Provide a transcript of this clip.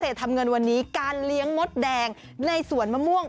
ทำเงินวันนี้การเลี้ยงมดแดงในสวนมะม่วง